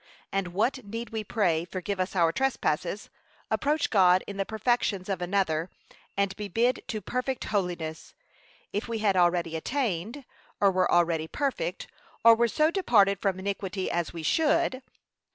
And what need we pray, 'forgive us our trespasses,' approach God in the perfections of another, and be bid 'to perfect holiness,' if we had already attained, or were already perfect, or were so departed from iniquity as we should.